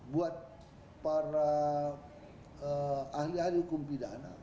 buat para ahli ahli hukum pidana